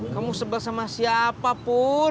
kamu sebel sama siapa pur